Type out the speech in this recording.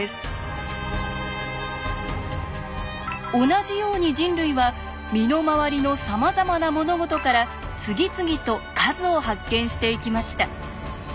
同じように人類は身の回りのさまざまな物事から次々と数を発見していきました。